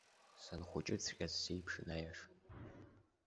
Санхәыҷыҵәҟьаз сеиԥшын аеш.